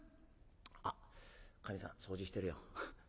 あっかみさん掃除してるよ。